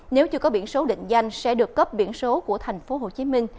nếu chưa có biển số định danh sẽ được cấp biển số của tp hcm